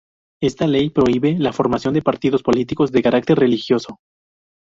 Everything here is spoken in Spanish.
Esta ley prohíbe la formación de partidos políticos de carácter religioso.